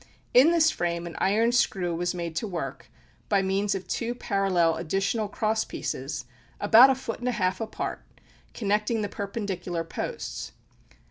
In this frame an iron screw was made to work, by means of two parallel additional crosspieces, about a foot and a half apart, connecting the perpendicular posts.